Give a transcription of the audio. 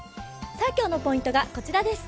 今日のポイントがこちらです。